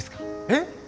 えっ？